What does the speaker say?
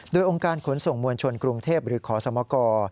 โดยองค์การขนส่งมวลชนกรุงเทพหรือขอสมก